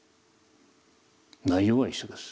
内容は一緒です。